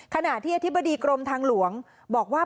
ขณะที่อธิบดีกรมทางหลวงบอกว่า